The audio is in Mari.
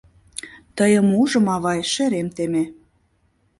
Тыйым ужым, авай, шерем теме.